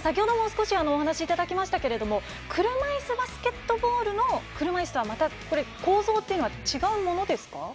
先ほども少しお話いただきましたが車いすバスケットボールの車いすとは構造というのは違うものですか？